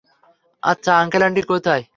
আচ্ছা, আংকেল-আন্টি কোথায়?